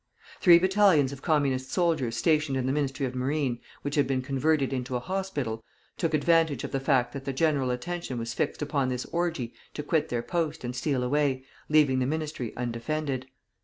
Three battalions of Communist soldiers stationed in the Ministry of Marine, which had been converted into a hospital, took advantage of the fact that the general attention was fixed upon this orgy to quit their post and steal away, leaving the Ministry undefended.